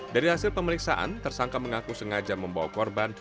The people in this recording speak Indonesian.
dari hasil pemeriksaan tersangka mengaku sengaja membawa korban